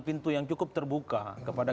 pintu yang cukup terbuka kepada